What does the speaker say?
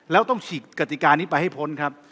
แล้วต้องฉีกกติกานี้ไปให้พ้นครับ